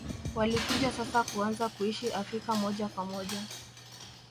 Walikuja sasa kuanza kuishi Afrika moja kwa moja